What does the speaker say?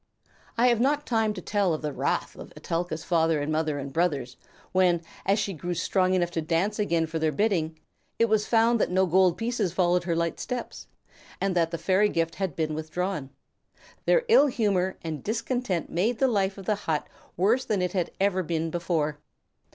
I have not time to tell of the wrath of Etelka's father and mother and brothers, when, as she grew strong enough to dance again for their bidding, it was found that no gold pieces followed her light steps, and that the fairy gift had been withdrawn. Their ill humor and discontent made the life of the hut worse than ever it had been before.